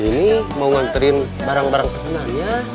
ini mau nganterin barang barang kesenangan ya